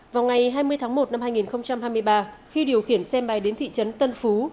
vào ngày hai mươi tháng một năm hai nghìn hai mươi ba khi điều khiển xe máy đến thị trấn tân phú